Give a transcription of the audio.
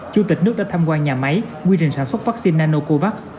chủ tịch nước đã tham quan nhà máy quy trình sản xuất vaccine nanocovax